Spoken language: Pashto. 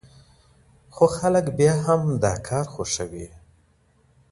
خو خلک بیا هم دا کار خوښوي.